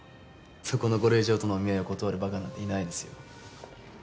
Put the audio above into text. そこのご令嬢とのお見合いを断るバカなんていないですよ。